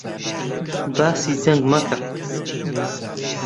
باسی جەنگ مەکە!